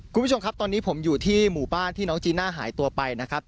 คุณผู้ชมครับตอนนี้ผมอยู่ที่หมู่บ้านที่น้องจีน่าหายตัวไปนะครับ